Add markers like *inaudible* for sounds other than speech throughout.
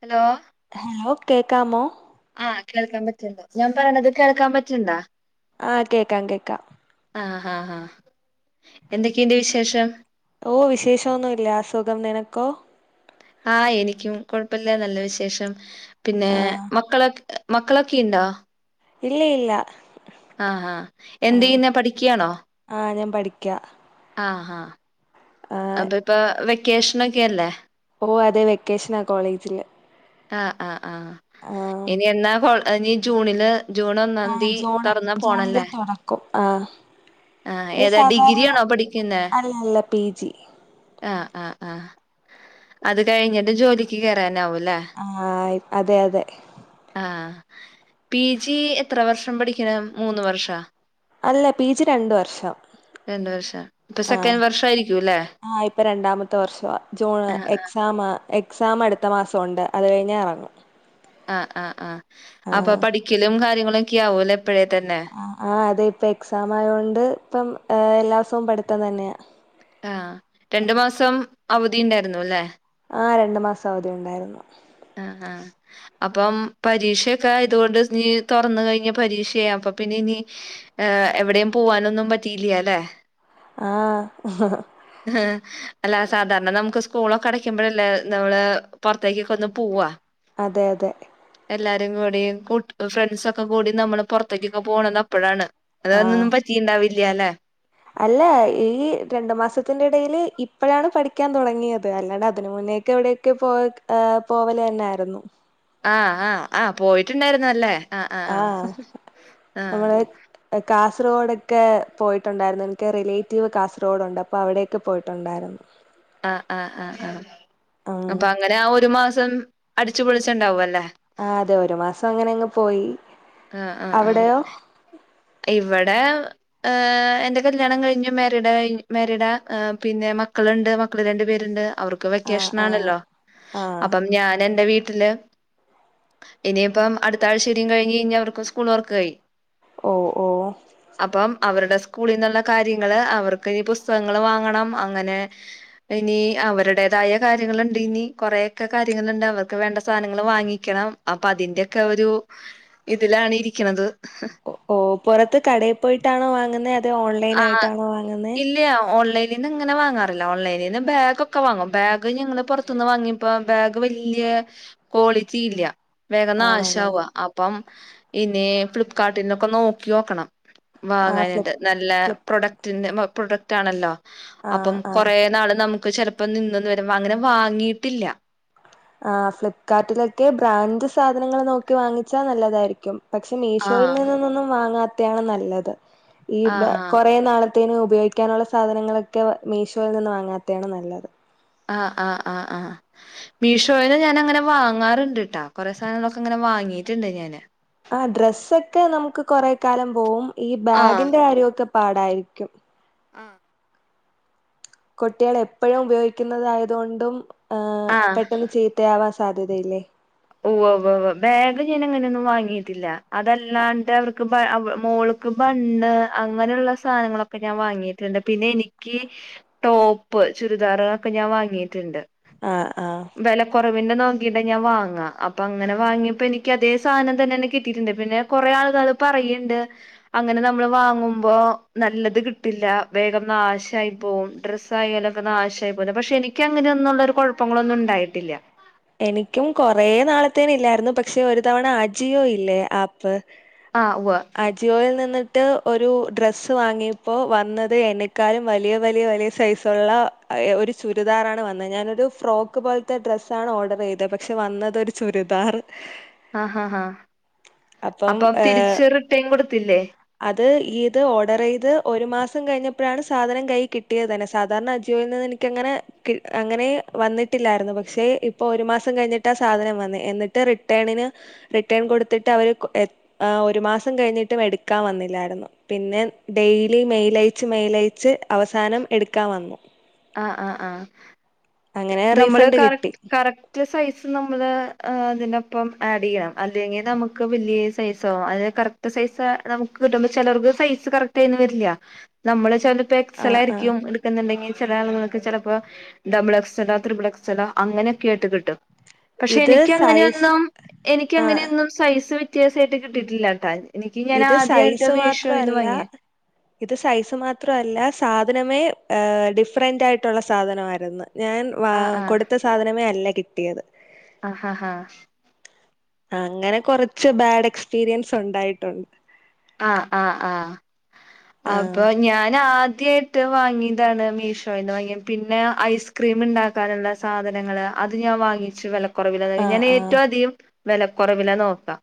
Hello hello കേക്കാമോ ആഹ് കേൾക്കാൻ പറ്റ്ണ്ട് ഞാൻ പറിണത് കേൾക്കാൻ പറ്റ്ണ്ടാ ആഹ് കേക്കാം കേക്കാം ആ ഹാ ഹാ. എന്തൊക്കീണ്ട് വിശേഷം ഓഹ് വിശേഷോന്നുല്ല സുഖം നിനക്കോ ആഹ് എനിക്കും കൊഴപ്പില്ല നല്ല വിശേഷം പിന്നെ ആഹ് മക്കളൊക് മക്കളൊക്കി ഇണ്ടോ ഇല്ല യില്ല. ആഹ്ഹാ എന്തെയ്യുന്നെ പഠിക്കാണോ ആഹ് ഞാൻ പഠിക്കാ ആഹാ ആഹ് അപ്പൊ ഇപ്പൊ വെക്കേഷനൊക്കെയല്ലേ ഓഹ് അതെ വെക്കേഷനാ കോളേജില് ആഹ് ആഹ് ആഹ് ആഹ് ഇനി എന്നാ കോ ഇനി ജൂണില് ജൂൺ ഒന്നാന്തി തൊറന്നാ പോണല്ലേ കും. ആഹ് ആഹ് ഈ ഏതാ സാധാരണ ഡിഗ്രിയാണോ പഠിക്കുന്നെ അല്ലല്ല പി ജി ആഹ് ആഹ് ആഹ്. അത് കഴിഞ്ഞിട്ട് ജോലിക്ക് കേറാനാവുല്ലേ ആഹ് അതെയതെ ആഹ് പി ജി എത്ര വർഷം പഠിക്കണം, മൂന്ന് വർഷാ? അല്ല പി ജി രണ്ട് വർഷം രണ്ട് വർഷം ഇപ്പൊ ആഹ്. സെക്കൻഡ് വർഷം ആയിരിക്കുംല്ലേ ആഹ് ഇപ്പ രണ്ടാമത്തെ വർഷവാ. ജൂണ് ആഹ് എ ക്സാമാ. എക്സാമ് അടുത്ത മാസം ഉണ്ട് അത് കഴിഞ്ഞാ എറങ്ങും. ആഹ് ആഹ് ആഹ്. അപ്പൊ ആഹ് പഠിക്കലും കാര്യങ്ങളൊക്ക്യാ ആവുല്ലേ ഇപ്പഴേ തന്നെ ആഹ് അതെ ഇപ്പെക്സാം ആയോണ്ട് ഇപ്പം എല്ലാ ഇവസവും പഠിത്തം തന്നെയാ. ആഹ് രണ്ട് മാസം അവധി ഇണ്ടാര്ന്നു ല്ലെ. ആഹ് രണ്ട് മാസം അവധി ഇണ്ടായ്രുന്നു. ആഹ് ആഹ് അപ്പം പരീക്ഷൊക്കെ ആയത് കൊണ്ട് ഇനി തൊറന്ന് കഴിഞ്ഞാ പരീക്ഷയാ അപ്പൊ പിന്നെ ഇനി ഏഹ് എവടെയും പൂവാനൊന്നും പറ്റിയില്ല്യാ ല്ലേ. ആഹ് അല്ല സാധാരണാ നമ്മക്ക് സ്കൂളൊക്കെ അടയ്ക്ക്മ്പഴല്ലേ നമ്മള് പോറത്തേക്കെക്കൊന്ന് പൂവാ അതെ അതെ എല്ലാരും കൂടി കൂട്ട് ഫ്രണ്ട്സ് ഒക്കെ കൂടി നമ്മള് പോറത്തേക്കൊക്കെ പോണത് അപ്പഴാണ് അത് കാരണം ഒന്നും പറ്റിണ്ടാവില്ല്യാ ല്ലെ അല്ലാ ഈ രണ്ട് മാസത്തിന്റെ ഇടയില് ഇപ്പഴാണ് പഠിക്ക്യാൻ തൊടങ്ങിയത് അല്ലാണ്ട് അതിന് മുന്നേയൊക്കെവടെ ക്കേ പോക് ഏഹ് പോവല് തന്നായിരുന്നു ആഹ് ആഹ് ആഹ് പോയിട്ട് ഇണ്ടായ്രുന്നു അല്ലേ. ആഹ് നമ്മള് കാസർഗോഡൊക്കെ പോയിട്ട് ഒണ്ടാരുന്നു എനിക്ക് റിലേറ്റീവ് കാസർഗോഡണ്ട് അപ്പോ അവടെയൊക്കെ പോയിട്ട് ഒണ്ടാര് *inaudible* ആഹ് ആഹ് ആഹ് അപ്പൊ അങ്ങനെ ആഹ് ഒരു മാസം അടിച്ചുപൊളിച്ച് ഇണ്ടാവും അല്ലേ ആഹ് അതെ ഒരു മാസം അങ്ങനെ അങ്ങ് പോയി അവടെയോ ഇവടെ ആഹ് എന്റെ കല്യാണം കഴിഞ്ഞ് മാരിഡായി മാരിഡാ ആഹ് പിന്നെ മക്കള് ഇണ്ട് മക്കള് രണ്ട് പേര് ഇണ്ട് അവർക്ക് ആഹ് ആഹ് വെക്കേഷനാണല്ലോ ആഹ് അപ്പം ഞാൻ എൻ്റെ വീട്ടില് ഇനി ഇപ്പം അടുത്താഴ്ചടിം കഴിഞ്ഞു കയിഞ്ഞ അവർക്ക് സ്കുള് തൊറക്കയായി ഓഹ് ഓഹ് അപ്പം അവരടെ സ്കൂളിന്ന് ഒള്ള കാര്യങ്ങള് അവർക്ക് ഇനി പുസ്തകങ്ങള് വാങ്ങണം അങ്ങനെ ഇനി അവരടേതായ കാര്യങ്ങള് ഒണ്ട് ഇനി കൊറെക്കെ കാര്യങ്ങള് ഇണ്ട് അവർക്ക് വേണ്ട സാനങ്ങള് വാങ്ങിക്കണം അപ്പൊ അതിന്റെയൊക്കെ ഒരു ഇതിലാണ് ഇരിക്കണത് ഓഹ് ഓഹ് പൊറത്ത് കടയേ പോയിട്ടാണോ വാങ്ങ്ന്നേ അതോ ഓൺലൈൻ ആയിട്ടാണോ വാങ്ങ്ന്നേ ഇല്ല്യാ ഓൺലൈൻ ഇതിങ്ങനെ വാങ്ങാറില്ല ഓൺലൈനിന്ന് ബാഗ് ഒക്കെ വാങ്ങും ബാഗ് ഞങ്ങള് പൊറത്തന്ന് വാങ്ങിയപ്പോ ബാഗ് വല്ല്യയ ക്വളിറ്റി ഇല്ല്യയാ വേഗം ആണല്ലേ നശാവാ അപ്പം ഇനി ഫ്ലിപ്കാർട്ടിനൊക്കെ നോക്കി നോക്കണം ആഹ് ഫ്ലിപ്പ് വാങ്ങാനാട്ട് നല്ലാ ഫ്ലിപ്പ് പ്രൊഡക്ടിന്റെ പ്രൊഡക്റ്റ് ആണല്ലോ ആഹ് അപ്പം ആഹ് കൊറെ നാള് നമ്മക്ക് ചെലപ്പം നിന്നന്ന് വരും അങ്ങനെ വാങ്ങിട്ടില്ലാ ആഹ് ഫ്ലിപ്കാർട്ടിലൊക്കെ ബ്രാൻഡ് സാനങ്ങള് നോക്കി വാങ്ങിച്ചാ നല്ലതാരിക്കും പക്ഷേ മീഷോല് ആഹ് നിന്ന്ന്നൊന്നും വാങ്ങാത്തേയാണ് നല്ലത് ഈ ആഹ് ആഹ് കൊറെ നാള ത്തേനു ഉപയോഗിക്കനൊള്ളാ സാധനൾങ്ങളൊക്കെ മീഷോയിന്ന് വാങ്ങാത്തെയാണ് നല്ലത് ആഹ് ആഹ് ആഹ് മീഷോയിന്ന് ഞാന് അങ്ങനെ വാങ്ങാറ്ണ്ടട്ടൊ കൊറെ സാനങ്ങളൊക്കെ ഇങ്ങനെ വാങ്ങിട്ടിണ്ട് ഞാന് ആഹ് ഡ്രസ്സൊക്കെ നമ്മക്ക് കൊറെ കാലം പോവും ഈ ആഹ് ബാഗിന്റെ കാര്യയൊക്കെ പാടാരിക്കും ആഹ് കുട്ടികള് എപ്പഴും ഉപയോഗിക്കുന്നാതായത് കൊണ്ടും ആഹ് പെട്ടെന്ന് ചി തയാവാൻ സാധ്യതയില്ലേ ഉവ്വ് ഉവ്വ് ഉവ്വ് ബാഗ് ഞാൻ അങ്ങനെയൊന്നും വാങ്ങിയിട്ടില്ല അത് അല്ലാണ്ട് അവർക്ക് പ മോള് ക്ക ബണ്ണ് അങ്ങനെയോള്ളാ സാനങ്ങളൊക്കെ ഞാൻ വാങ്ങിട്ടിണ്ട് പിന്നെ എനിക്ക് ടോപ്പ് ചുരിദാറൊക്കെ ഞാൻ വാങ്ങിട്ട് ഇണ്ട് ആഹ് ആഹ് വെല കൊറവിൻ്റെ നോക്കിയിട്ടാ ഞാൻ വാങ്ങാ അപ്പൊ അങ്ങനെ വാങ്ങിയപ്പോ എനിക്ക് അതേ സാനം തന്നെയാണ കിട്ടിട്ടിണ്ട് പിന്നെ കൊറെ ആള്കള് പറയോ ഇണ്ട് അങ്ങനെ നമ്മള് വാങ്ങുമ്പോ നല്ലത് കിട്ടില്ല വേഗം നാശായി പോവും ഡ്രസ്സ് ആയാലൊക്കെ നാശായി പോന്ന് പക്ഷെ എനിക്ക് അങ്ങനെയൊന്നൊള്ളൊരു കുഴപ്പങ്ങളൊന്നും ഉണ്ടായിട്ടില്ല എനിക്കും കൊറേ നാളത്തേന് ഇല്ലായിരുന്നു പക്ഷെ ഒരു തവണ അജിയോ ഇല്ലേ ആ പ്പ് ആഹ് ഉവ്വ് അ ജിയോയിൽ നിന്നിട്ട് ഒരു ഡ്രസ്സ് വാങ്ങിയപ്പോൾ വന്നത് എന്നെക്കാലും വലിയ വലിയ വലിയ സൈസ് ഉള്ള ഒരു ചുരിദാറാണ് വന്നത് ഞാനൊരു ഫ്രോക്ക് പോലത്തെ ഡ്രസ്സ് സാണ് ഓർഡർ ചെയ്തെ പക്ഷെ വന്നത് ഒരു ചുരിദാർ ആഹ് ആഹ് ഹാ അപ്പം തിരിച്ച് റിട്ടേൺ കൊടുത്തില്ലേ അത് ഇത് ഓർഡർ ചെയ്ത് ഒരു മാസം കഴിഞ്ഞപ്പോഴാണ് സാധനം കൈയി കിട്ടിയത് തന്നെ സാധാരണ അജിയോയിൽ നിന്ന് എനി ക്കങ്ങനെ അങ്ങനെ വന്നിട്ടില്ലായിരുന്നു പക്ഷെ ഇപ്പൊ ഒരു മാസം കഴിഞ്ഞിട്ട സാധനം വന്നെ എന്നിട്ട് റിട്ടേണിന് റിട്ടേൺ കൊടുത്തിട്ട് അവര് കൊ ആഹ് ഒരു മാസം കഴിഞ്ഞിട്ടും എടുക്കാൻ വന്നില്ലായിരുന്നു പിന്നെ ഡെയിലി മെയിൽ അയച്ച് മെയിൽ അയച്ച് അവസാനം എടുക്കാൻ വന്നു ആഹ് ആഹ് ആഹ് അങ്ങനെ നമ്മള് റീഫണ്ട് കറക് കിട്ടി. കറക് ക്ട് സൈസ് നമ്മള് അതിനൊപ്പം ആഡ് ചെയ്യണം അല്ലെങ്കിൽ നമുക്ക് വലിയ സൈസ് ആകും അതിനെ കറക് റ്റ് സൈസ് നമുക്ക് കിട്ടുമ്പോ ചിലവർക്ക് സൈസ് കറക്റ്റ് ആയിന്ന് വരില്ല നമ്മള് ചിലപ്പോ ആഹ് ആഹ് എക്സലായിരിക്കും എടുക്കുന്നുണ്ടെങ്കിൽ ചില ആളുങ്ങൾക്ക് ചിലപ്പോ ഡബിൾ എക്സ്ലാലോ ത്രിപിൾ എക്സ്ലലോ അങ്ങനെയൊക്കെ ആയിട്ട് കിട്ടും പക്ഷെ ഇത് എനിക്ക് സൈസ് അങ്ങനെയൊന്നും എനിക്ക് ആഹ് അങ്ങനെയൊന്നും സൈസ് വ്യത്യാസായിട്ട് കിട്ടിയിട്ടില്ല ട്ടാ എനിക്ക് ഞാൻ ഇത് ആദ്യയിട്ടാ സൈസ് മീശോയിന്ന് മാത്രല്ല വാങ്ങിയേ ഇത് സൈസ് മാത്രല്ല സാധനമേ ഡിഫറന്റ് ആയിട്ടുള്ള സാധനവായിരുന്നു ഞാൻ വ ആ ആ കൊടുത്ത സാധനമേ അല്ല കിട്ടിയത് ആഹ് ഹാ ഹാ അങ്ങനെ കൊറച്ച് ബാഡ് എക്സ്പീരിയൻസ് ഉണ്ടായിട്ടുണ്ട് ആഹ് ആഹ് ആഹ് ആഹ് അപ്പൊ ഞാൻ ആദ്യയി ട്ട് വാങ്ങിതാണ് മീശോയിന്ന് വാങ്ങിത് പിന്നെ ഐസ്ക്രീം ഉണ്ടാക്കാനുള്ള സാധനങൾ അത് അത് ഞാൻ വാങ്ങിച്ചു വിലക്കുറവില് ആഹ് ഞാൻ ആഹ് ഏറ്റവും അധികം വിലക്കുറവില നോക്കാ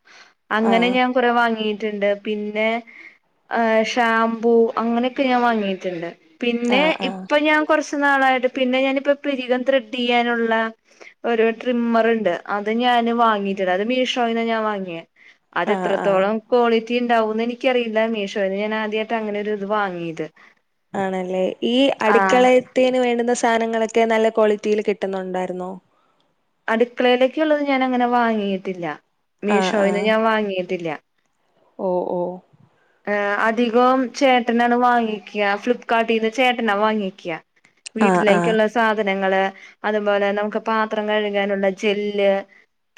അങ്ങനെ ആഹ് ഞാൻ കുറെ വാങ്ങിയിട്ടുണ്ട് പിന്നെ ഏഹ് ഷാംമ്പൂ അങ്ങനെയൊക്കെ ഞാൻ വാങ്ങിയിട്ടുണ്ട് പിന്നെ ആഹ് ആഹ് ഇപ്പൊ ഞാൻ കുറച്ചു നാളായിട്ട് പിന്നെ ഞാനിപ്പ പിരികം ത്രെഡ് ചെയ്യാനുള്ള ഒരു ട്രിമ്മർ ഉണ്ട് അത് ഞാന് വാങ്ങിട്ടുണ്ട് അത് മീഷോയിന്ന ഞാൻ വാങ്ങിയെ അത് ആഹ് ആഹ് എത്രത്തോളം ക്വാളിറ്റി ഉണ്ടാവുന്ന് എനിക്കറിയില്ല മീഷോയിന് ഞാൻ ആദ്യായിട്ട അങ്ങനൊരു ഇത് വാങ്ങിയത് ആണല്ലേ ഈ ആഹ് അടുക്കളെ ത്തെന് വേണ്ടുന്ന സാധനങ്ങളൊക്കെ നല്ല ക്വാളിറ്റിൽ കിട്ടുന്നുണ്ടായിരുന്നോ അടുക്കളയിലേക്ക്‌ ഉള്ളത് ഞാൻ അങ്ങനെ വാങ്ങിയിട്ടില്ല ആഹ് മീഷോയിന്ന് ഞാൻ വാങ്ങിയിട്ടില്ല ഓഹ് ഓഹ് ഏഹ് അധികോം ചേട്ടനാണ് വാങ്ങിക്കുക ഫ്ലിപ്കാർട്ടിന് ചേട്ടനാ വാങ്ങിക്കുക ആഹ് ആഹ് വീട്ടിലേക്കുള്ള സാധനങ്ങള് അതുപോലെ നമുക്ക് പാത്രം കഴുകാനുള്ള ജെല്ല്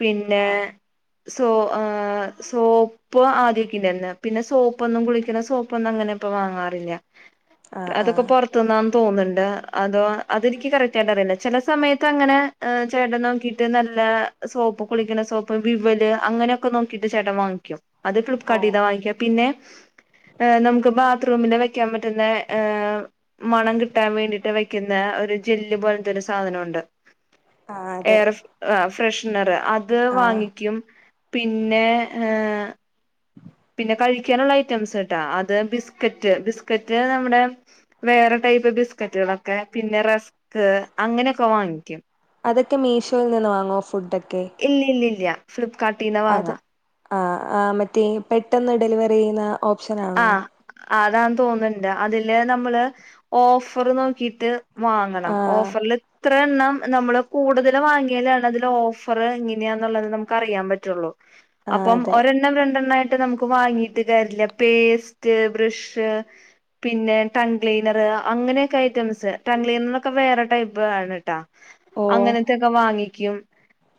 പിന്നെ സോ സോപ്പ് ആദ്യക്കിണ്ടർന്ന് പിന്നെ സോ പ്പൊന്നും കുളിക്കണ സോപ്പൊന്നും അങ്ങനെ ഇപ്പോ വാങ്ങാറില്ല ആഹ് അതൊക്കെ ആഹ് പുറ ത്തുന്ന് ആന്ന് തോന്നുണ്ട് അതോ അതെനിക്ക് കറക്റ്റ് ആയിട്ട് അറിയില്ല ചില സമയത്ത് അങ്ങനെ ഏഹ് ചേട്ടൻ നോക്കിയിട്ട് നല്ല സോപ്പ് കുളിക്കണ സോപ്പ് വിവല് അങ്ങനെയൊക്കെ നോക്കിയിട്ട് ചേട്ടൻ വാങ്ങിക്കും അത് ഓ ഫ്ലിപ്കാർട്ടിന്നാ വാങ്ങിക്കുക പിന്നെ ഏഹ് നമുക്ക് ബാത്റൂമില് വെക്കാൻ പറ്റുന്ന ഏഹ് മണം കിട്ടാൻ വേണ്ടിയിട്ട് വെക്കുന്ന ഒരു ജെല്ല് പോലത്തെ ഒരു സാധനവുണ്ട് ആഹ് അതെ ഏഹ് ഫ്രഷ്നർ അത് ആഹ് വാങ്ങിക്കും പിന്നെ ഏഹ് പിന്നെ കഴിക്കാനുള്ള ഐറ്റംസ്ട്ടാ അത് ബിസ്കറ്റ് ബിസ്കറ്റ് നമ്മുടെ വേറെ ടൈപ്പ് ബിസ്ക്കറ്റുകളൊക്കെ പിന്നെ റസ്ക് അങ്ങനെയൊക്കെ വാങ്ങിക്കും അതൊക്കെ മീഷോയിൽ നിന്ന് വാങ്ങുവോ ഫുഡൊക്കെ ഇല്ല ഇ ല്ല ഇല്ല ഫ്ലിപകാർട്ടീന്ന അത് വാങ്ങാ ആഹ് ആഹ് മറ്റേ പെട്ടെന്ന് ഡെലിവറി ചെയ്യുന്ന ഒ ആഹ് അതാതോന്നുന്നുണ്ട് അതില് നമ്മള് ഓഫർ നോക്കിട്ട് വാങ്ങണം ആഹ് ഓഫറിൽ ഇത്ര എണ്ണം നമ്മള് കൂടുതൽ വാങ്ങിയാലാണ് അതില് ഓഫർ എങ്ങനെയാന്നുള്ളത് നമുക്ക് അറിയാൻ പറ്റുള്ളൂ ആഹ് അപ്പം അതെ ഒരെണ്ണം രണ്ടെണ്ണയിട്ട് നമുക്ക് വാങ്ങീട്ട് കാര്യല്ല പേസ്റ്റ് ബ്രഷ് പിന്നെ ടൺ ക്ലീനർ അങ്ങനെയൊക്കെ ഐറ്റംസ് ടങ് ക്ലീനറോക്കെ വേറെ ടൈപ്പ് ആണ് ട്ടോ ഓ അങ്ങനത്തൊക്കെ വാങ്ങിക്കും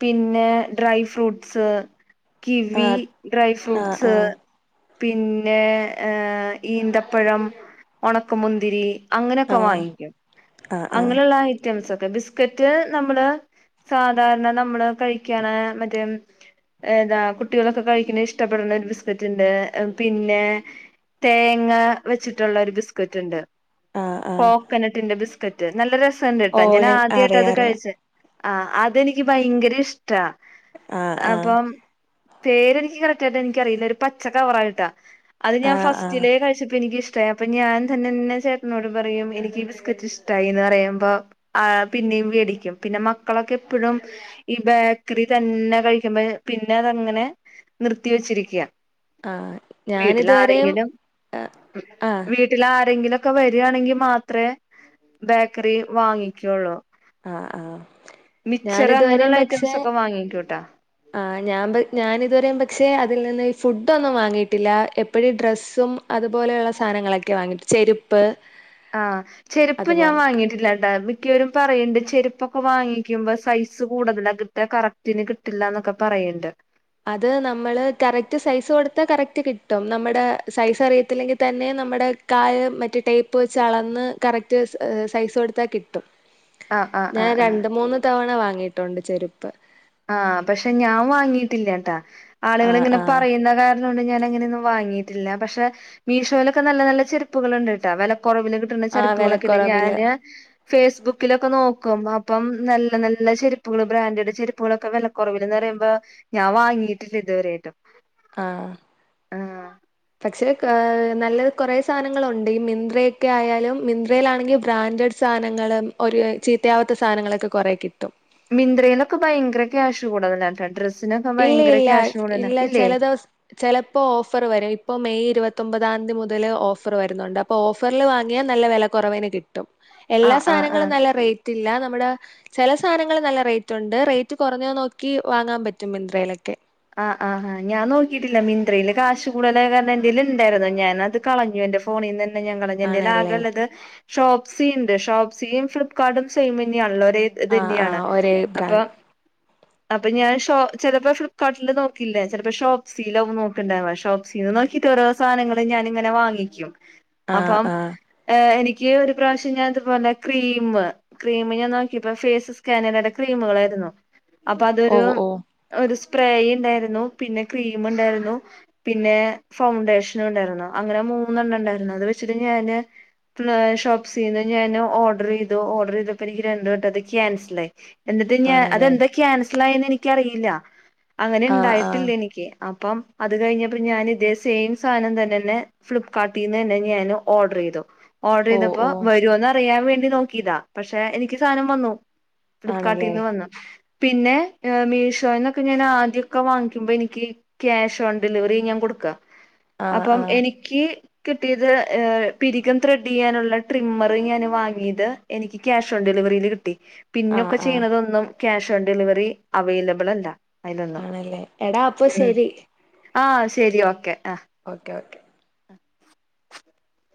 പിന്നെ ഡ്രൈ ഫ്രൂട്ട്സ് കിവി ആഹ് ഡ്രൈ ആഹ് ഫ്രൂട്ട്സ് ആഹ് പിന്നെ പിന്നെ ഹ് ഈന്തപ്പഴം ഉണക്കുമുന്തിരി അങ്ങനെയൊക്കെ ആഹ് വാങ്ങിക്കും ആഹ് ആഹ് അങ്ങനെയുള്ള ഐറ്റംസ് ഒക്കെ ബിസ്കറ്റ് നമ്മള് സാധാരണ നമ്മള് കഴിക്കാനാ മറ്റേ ഏതാ കുട്ടികളൊക്കെ കഴിക്കണ ഇഷ്ടപ്പെടുന്ന ഒരു ബിസ്കറ്റ് ഉണ്ട് പിന്നെ തേങ്ങ വെച്ചിട്ടുള്ള ഒരു ബിസ്കറ്റ് ഉണ്ട് ആഹ് ആഹ് കോക്കനട്ടിന്റെ ബിസ്കറ്റ് നല്ല ഓ രസണ്ട്ട്ടാ ഞാൻ ഞ ആദ്യയായിട്ട് അത് അറിയാം അറിയാം കഴിച്ചേ ആഹ് അതെനിക്ക് ഭയങ്കര ഇഷ്ടാ ആഹ് ആഹ് അപ്പം പേരെനിക്ക് കറക്റ്റായിട്ട് എനിക്കറിയില്ല ഒരു പച്ച കവറായിട്ടാ അത് ഞാൻ ആഹ് ആഹ് ഫസ്റ്റിലെ കഴിച്ചപ്പോ എനിക്ക് ഇഷ്ട ഷ്ടാ അപ്പൊ ഞാൻ തന്നെന്നെ ചേട്ടനോട് പറയും എനിക്ക് ബിസ്ക്കറ്റ് ഇഷ്ടായിന്ന് പറയുമ്പോ ആ പിന്നെയും മേടിക്കും പിന്നെ മക്കളൊക്കെ എപ്പഴും ഈ ബേക്കറി തന്നെ കഴിക്കുമ്പോ പിന്നെ അതങ്ങനെ നിർത്തി വെച്ചിരിക്ക ആഹ് വീട്ടിൽ ഞാനിതുവരെയും ആഹ് ആഹ് ട്ടിലാരെങ്കിലുക്കെ വരാണെങ്കിൽ മാത്രെ ബേക്കറി വാങ്ങിക്കുള്ളൂ ആഹ് ആഹ് മിക്സച്ചർ ഞാനിതുവരെയും അങ്ങനെയുള്ള പക്ഷെ ഐറ്റംസ് ഒക്കെ വാങ്ങിക്കുട്ടാ ആഹ് ഞാൻ പ ഞാാനിതുവരെ പക്ഷെ അതിൽ നിന്ന് ഫുഡൊന്നും വാങ്ങിയിട്ടില്ല എപ്പഴും ഡ്രസ്സും അതുപോലെയുള്ള സാധനങ്ങളൊക്കെയാ വാങ്ങിട്ട് ചെരുപ്പ് ആഹ് ചെരുപ്പ് ഞാൻ അതുപോലൊക്കെ വാങ്ങിയിട്ടില്ലട്ടാ മി മിക്കവരും പറയണ്ട് ചെരുപ്പൊക്കെ വാങ്ങിക്കുമ്പോ സൈസ് കൂടുതലാ കിട്ട കറക്റ്റിന് കിട്ടില്ലന്നൊക്കെ പറയണ്ട് അത് നമ്മള് കറക്റ്റ് സൈസ് കൊടുത്താ കറക്റ്റ് കിട്ടും നമ്മുടെ സൈസ് അറിയത്തില്ലെങ്കിൽ തന്നെ നമ്മുടെ കാല് മറ്റേ ടേപ്പ് വെച്ച് അളന്ന് കറക്റ്റ് സൈസ് കൊടുത്താൽ കിട്ടും ആഹ് ആഹ് ഞാൻ ആഹ് ആഹ് രണ്ട് മൂന്ന് തവണ വാങ്ങിയിട്ടുണ്ട് ചെരുപ്പ് ആഹ് പക്ഷെ ഞാൻ വാങ്ങിയിട്ടില്ലട്ടാ ആളുകൾ ആഹ് ഇങ്ങനെ ആഹ് പറയുന്ന ക ള്ളൊണ്ട് ഞാനങ്ങനൊന്നും വാങ്ങിയിട്ടില്ല പക്ഷെ മീഷോലൊക്കെ നല്ല നല്ല ചെരുപ്പുകൾണ്ട് ട്ട വിലകുറവിനു കി ട്ടുണ ആഹ് ചെരിപ്പുകളൊക്കെണ്ട് വിലക്കുറവില് ഞാന് ഫേസ്ബുക്കിലൊക്കെ നോക്കും അപ്പം നല്ല നല്ല ചെരുപ്പുകള് ബ്രാൻഡഡ് ചെരുപ്പ് പ്പുകളൊക്കെ വില കുറവില്ന്ന് പറയുമ്പോ ഞാൻ വാങ്ങിട്ടില്ല ഇതുവരെയായിട്ടും ആഹ് ആഹ് പക്ഷേ കൊ നല്ല കുറെസാധനങ്ങളുണ്ട് ഈ മിന്ത്രയൊക്കെ ആയാലും മിന്ത്രയിലാണെങ്കിൽ ബ്രാൻഡഡ് സാധനങ്ങളും ഒരു ചീത്തയാവാത്ത സാധനങ്ങളൊക്കെ കുറേ കിട്ടും മിന്ത്രയിലൊക്കെ ഭയങ്കര ക്യാഷ് കൂടുതലാട്ടോ ഡ്രസ് ഇല്ല ഇല്ല ഇല്ല ചിലദിവസ ചിലപ്പോ ഓഫർ വരും ഇപ്പൊ മെയ് ഇരുപത്തൊമ്പതാംതി മുതല് ഓഫർ വരുന്നുണ്ട് പ്പൊ ഓഫറിൽ വാങ്ങിയാൽ നല്ല വില കുറവിന് കിട്ടും എല്ലാ ആഹ് ആഹ് ആഹ് സാധനങ്ങളും നല്ല റേ റ്റില്ലാ നമ്മള് ചില സാധനങ്ങൾ നല്ല റേറ്റ് ഉണ്ട് റേറ്റ് കുറഞ്ഞത് നോക്കി വാങ്ങാൻ പറ്റും റ്റും മിന്ത്രയിലൊക്കെ ആഹ് ആഹ് ആഹ് ഞാനോക്കിയിട്ടില്ല മിന്ത്രയില് കാശ് കൂടുതലായ കാരണം എന്റെല് ഉണ്ടായിരുന്നു ഞാനത് കളഞ്ഞു എന്റെ ഫോണിൽ നിന്ന്ന്നെ ന്ന്ന്നെ ഞൻ കളഞ് എന്റെയില് ആണല്ലേ ആകെള്ളത് ഷോപ്സി ഉണ്ട് ഷോപ്സിയും ഫ്ലിപ്കാർട്ടും സെയിമനെയാണല്ലോ ഒരേ ആ ആ ഇതന്നെയാണ് ഒരേ അപ്പൊ ബ്രാൻഡ് അപ്പൊ ഞാൻ ഷോ ചിലപ്പോ ഫ്ലി കാർട്ടില് നോക്കില്ലേ ചിലപ്പോ ഷോപ്പ് സിലാവും നോക്കണ്ടാവ ഷോപ്പ്സിയിന്ന് നോക്കിട്ട് ഓരോ സാധനങ്ങള് ഞാനിങ്ങനെ വാങ്ങിക്കും ആ അപ്പം ആ ഏ എനിക്ക് ഒരു പ്രാവശ്യം ഞാൻ ഇത്പോലെ ക്രീം ക്രീമ് ഞാൻ നോക്കിയപ്പോ ഫേസ് സ്കാനിലടെ ക്രീമുകളായിരുന്നു അപ്പൊ ഓ അതൊരു ഒരു ഓ ഒരു സ്പ്രേ ഉണ്ടായിരുന്നു പിന്നെ ക്രീം ഉണ്ടായിരുന്നു പിന്നെ ഫൗണ്ടേഷനും ഉണ്ടായിരുന്നു. അങ്ങനെ മൂന്നെണ്ണം ഉണ്ടായിരുന്നു. അത് വെച്ചിട്ട് ഞാന് ഷോപ്സീന്ന് ഞാന് ഓർഡർ ചെയ്തു ഓർഡർ ചെയ്തപ്പോ എനിക്ക് രണ്ട വട്ടം അത് ക്യാൻസൽ ആയി എന്നിട്ട് ഞ ആണല്ലേ അതെന്താ ക്യാൻസൽ ആയെന്ന് എനിക്കറിയില്ല അങ്ങനെ ആ ആ ഇണ്ടായിട്ടില്ല എനിക്ക് അപ്പം അത് കഴിഞ്ഞപ്പോ ഞാൻ ഇതേ സെയിം സാധനം തന്നെ ല്ലെ ഫ്ലിപ്പ്കാർട്ടീന്ന് തന്നെ ഞാന് ഓർഡർ ചെയ്തു ഓർഡർ ഓ ചെയ്തപ്പോ ഓ വരൂന്ന് അറിയാൻ വേണ്ടി നോക്കിതാ പക്ഷെ എനിക്ക് സാധനം വന്നു ആണല്ലേ ഫ്ലിപ്കാർട്ടിന്ന് വന്നു പിന്നെ മീഷോന്ന് ക്കെ ഞാൻ ആദ്യമൊക്കെ വാങ്ങിക്ക്മ്പോ എനിക്ക് ക്യാഷ് ഓൺ ഡെലിവറി ഞാൻ കൊടുക്ക ആ അപ്പം ആ എനിക്ക് കിട്ടിയത് ഏ പിരികം ത്രെഡ് ചെയ്യാനുള്ള ട്രിമ്മർ ഞാന് വാങ്ങിയത് എനിക്ക് ക്യാഷ് ഓൺ ഡെലിവറിയില് കിട്ടി ആ പിന്നൊക്കെ ആ ചെയ്യണതൊന്നും ക്യാഷ് ഓൺ ഡെലിവറി അവൈലബിൾ അല്ല അതിലൊന്നും ആണല്ലേ എടാ അപ്പൊ ഉം ശെരി ആ ശരി ഓക്കെ ആ ഓക്കെ ഓക്കെ ആഹ *inaudible*